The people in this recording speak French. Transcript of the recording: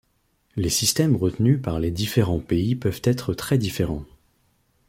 Les systèmes retenus par les différents pays peuvent être très différents.